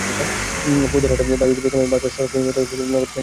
ফৌজদারহাট-বায়েজীদ Bostami bypass সড়কটি নির্মিত হলে নগরে যানজট অর্ধেক কমে যাবে।